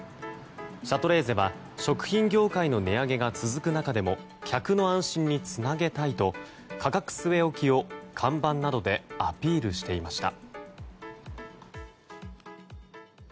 シャトレーゼは食品業界の値上げが続く中でも客の安心につなげたいと価格据え置きを看板などでアピールしていました。